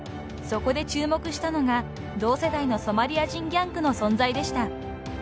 ［そこで注目したのが同世代のソマリア人ギャングの存在でした］